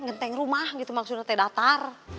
ngenteng rumah gitu maksudnya teh datar